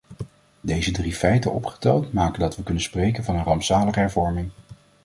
Deze drie feiten opgeteld maken dat we kunnen spreken van een rampzalige hervorming.